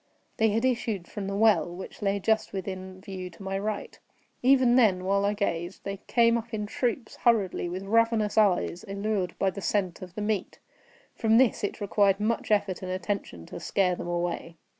They had issued from the well, which lay just within view to my right. Even then, while I gazed, they came up in troops, hurriedly, with ravenous eyes, allured by the scent of the meat. From this it required much effort and attention to scare them away.